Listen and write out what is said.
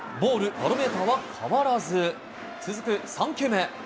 バロメーターは変わらず、続く３球目。